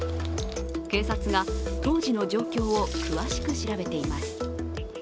警察が当時の状況を詳しく調べています。